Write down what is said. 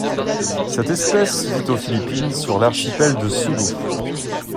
Cette espèce vit aux Philippines, sur l'archipel de Sulu.